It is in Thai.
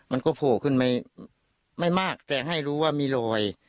โผล่ขึ้นไม่มากแต่ให้รู้ว่ามีรอย